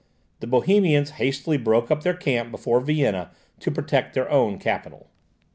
The Bohemians hastily broke up their camp before Vienna to protect their own capital.